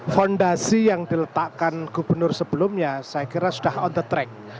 fondasi yang diletakkan gubernur sebelumnya saya kira sudah on the track